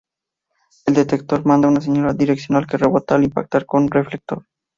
El detector manda una señal direccional que rebota al impactar con un reflector.